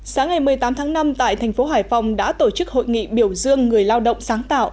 sáng ngày một mươi tám tháng năm tại thành phố hải phòng đã tổ chức hội nghị biểu dương người lao động sáng tạo